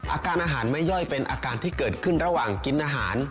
อาการอาหารไม่ย่อยเป็นอาการที่เกิดขึ้นระหว่างกินอาหาร